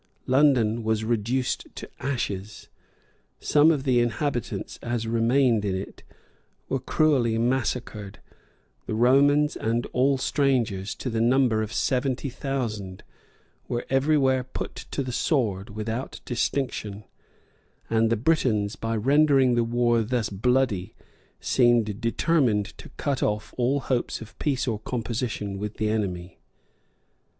London was reduced to ashes; such of the inhabitants as remained in it were cruelly massacred; the Romans and all strangers, to the number of seventy thousand, were every where put to the sword without distinction; and the Britons, by rendering the war thus bloody, seemed determined to cut off all hopes of peace or composition with the enemy.